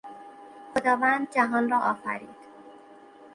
خداوند جهان را آفرید.